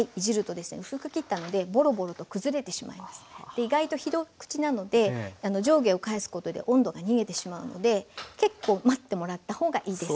意外と広口なので上下を返すことで温度が逃げてしまうので結構待ってもらったほうがいいです。